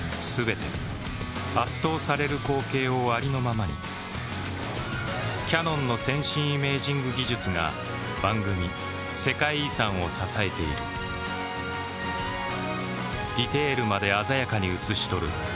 全て圧倒される光景をありのままにキヤノンの先進イメージング技術が番組「世界遺産」を支えているディテールまで鮮やかに映し撮る